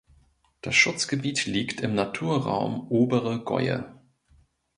Das Schutzgebiet liegt im Naturraum Obere Gäue.